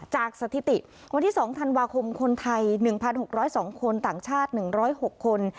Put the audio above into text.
จากสถิติวันที่สองธันวาคมคนไทยหนึ่งพันหกร้อยสองคนต่างชาติหนึ่งร้อยหกคน